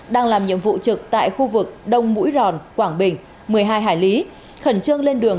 đang làm nhiệm vụ trực tại khu vực đông mũi ròn quảng bình một mươi hai hải lý khẩn trương lên đường